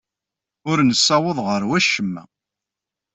Ur nessaweḍ ɣer wacemma.